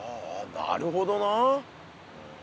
なるほどなあ。